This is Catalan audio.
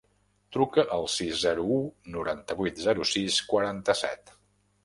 Truca al sis, zero, u, noranta-vuit, zero, sis, quaranta-set.